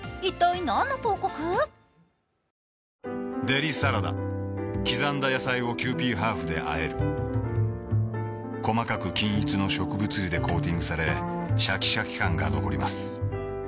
デリサラダ刻んだ野菜をキユーピーハーフであえる細かく均一の植物油でコーティングされシャキシャキ感が残ります